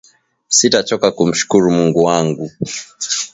Sita choka kumshukuru Mungu wangu